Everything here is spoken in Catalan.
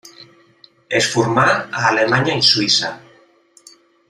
Es formà a Alemanya i Suïssa.